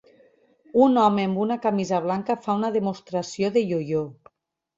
Un home amb una camisa blanca fa una demostració de io-io.